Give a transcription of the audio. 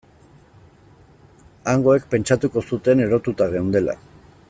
Hangoek pentsatuko zuten erotuta geundela.